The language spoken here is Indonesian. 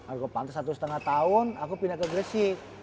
arkopantes satu setengah tahun aku pindah ke gresik